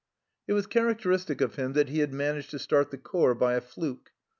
It was characteristic of him that he had managed to start the corps by a fluke.